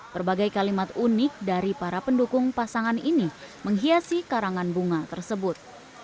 berbagai kalimat unik dari para pendukung pasangan ini menghiasi karangan bunga tersebut